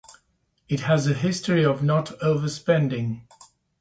It has a history of not overspending.